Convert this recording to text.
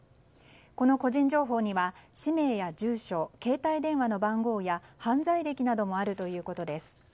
この個人情報には氏名や住所、携帯電話の番号や犯罪歴などもあるということです。